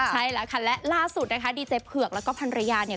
ใช่แล้วค่ะและล่าสุดนะคะดีเจเผือกแล้วก็พันรยาเนี่ย